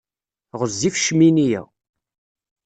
Ɣezzif ccmini-ya.